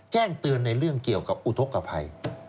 แจ้งเตือนในเรื่องเกี่ยวกับอุทธกภัย